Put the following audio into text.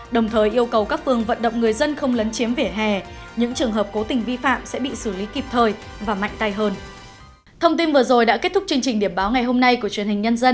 đồng thời yêu cầu các phường vận động người dân không lấn chiếm vỉa hè những trường hợp cố tình vi phạm sẽ bị xử lý kịp thời và mạnh tay hơn